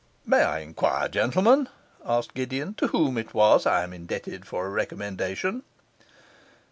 'May I enquire, gentlemen,' asked Gideon, 'to whom it was I am indebted for a recommendation?